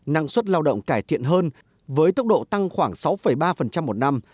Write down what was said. năng suất lao động cải thiện hơn với tốc độ tăng khoảng sáu ba một năm